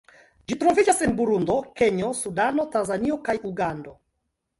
Ĝi troviĝas en Burundo, Kenjo, Sudano, Tanzanio kaj Ugando.